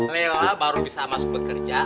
lela baru bisa masuk bekerja